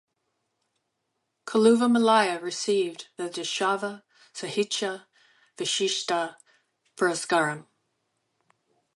Kaluva Mallaiah received the "Jashuva Sahitya Visishta Puraskaram".